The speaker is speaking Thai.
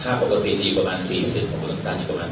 ค่าปกติจะอยู่ประมาณ๔๐ของปลอดภัณฑ์จะอยู่ประมาณ๘๐